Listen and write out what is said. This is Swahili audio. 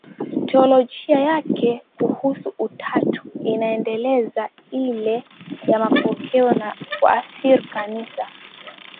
Teolojia yake kuhusu Utatu inaendeleza ile ya mapokeo na kuathiri Kanisa